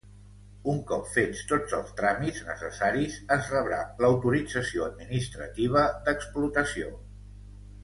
Un cop fets tots els tràmits necessaris, es rebrà l'autorització administrativa d'explotació.